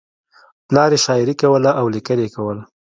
پلار یې شاعري کوله او لیکل یې کول